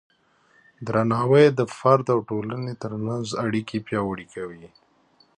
درناوی د فرد او ټولنې ترمنځ اړیکې پیاوړې کوي.